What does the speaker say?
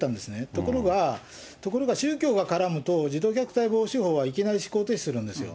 ところが、ところが、宗教が絡むと、児童虐待防止法はいきなり、施行停止するんですよ。